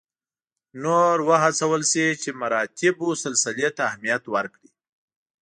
نور وهڅول شي چې مراتبو سلسلې ته اهمیت ورکړي.